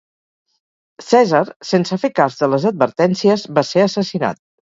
Cèsar, sense fer cas de les advertències, va ser assassinat.